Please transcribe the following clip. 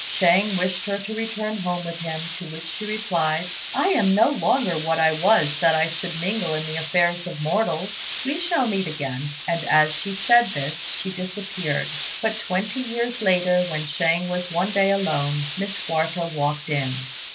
Shang wished her to return home with him; to which she replied, "I am no longer what I was that I should mingle in the affairs of mortals. We shall meet again." And as she said this, she disappeared; but twenty years later, when Shang was one day alone, Miss Quarta walked in.